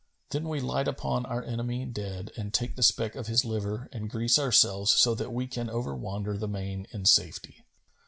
Then we light upon our enemy dead and take the speck of his liver and grease ourselves so that we can over wander the main in safety.